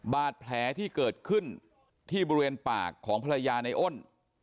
บาดแผลที่เกิดขึ้นที่บริเวณปากของภรรยาในอ้น